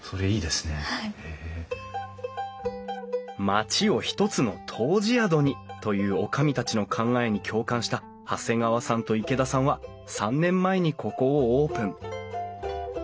町を一つの湯治宿にという女将たちの考えに共感した長谷川さんと池田さんは３年前にここをオープン。